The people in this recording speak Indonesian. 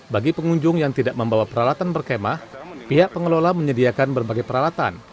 bagi pengunjung yang tidak membawa peralatan berkemah pihak pengelola menyediakan berbagai peralatan